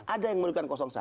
ada yang merugikan satu